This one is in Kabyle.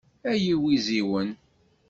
Ay iwiziwen.